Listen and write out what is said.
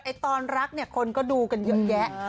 ตอนรักเนี่ยคนก็ดูกันเยอะแยะ